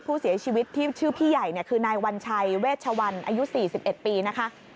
ผู้เสียชีวิตที่ชื่อพี่ใหญ่คือนายวัญชัยเวชวันอายุ๔๑ปีนะคะ